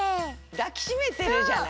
だきしめてるじゃない。